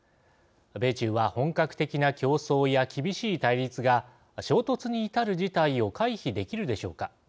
米中は本格的な競争や厳しい対立が衝突に至る事態を回避できるでしょうか。